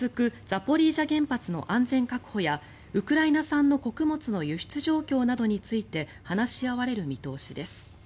ザポリージャ原発の安全確保やウクライナ産の穀物の輸出状況などについて話し合われる見通しです。